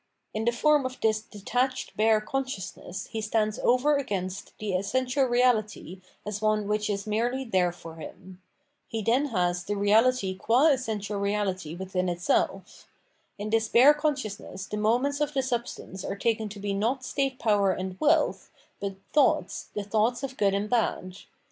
In the form of this detached bare consciousness he stands over against the essential reahty as one which is merely there for him. He then has the reahty qua essential reahty within itseH. In this bare consciousness the moments of the substance are taken to be not state power and wealth, but thoughts, the thoughts of Good and Bad.